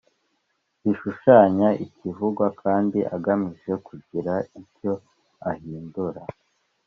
zishushanya ikivugwa kandi agamije kugira icyo ahindura